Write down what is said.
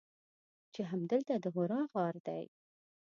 چې همدلته د حرا غار دی.